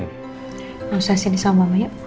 nggak usah sini sama mama yuk